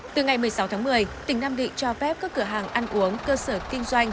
từ ngày một mươi sáu tháng một mươi tỉnh nam định cho phép các cửa hàng ăn uống cơ sở kinh doanh